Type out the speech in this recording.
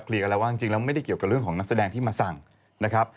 กันแล้วว่าจริงแล้วไม่ได้เกี่ยวกับเรื่องของนักแสดงที่มาสั่งนะครับ